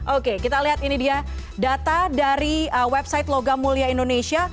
oke kita lihat ini dia data dari website logam mulia indonesia